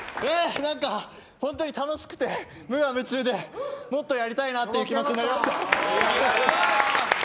何か本当に楽しくて、無我夢中でもっとやりたいなっていう気持ちになりました。